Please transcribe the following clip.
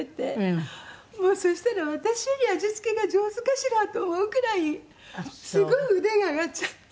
もうそしたら私より味付けが上手かしらと思うくらいすごい腕が上がっちゃって。